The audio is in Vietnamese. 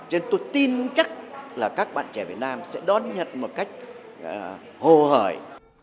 cho nên tôi tin chắc là các bạn trẻ việt nam sẽ đón nhận một cách hồ hởi